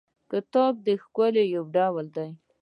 کتاب د ښکلا یو ډول دی.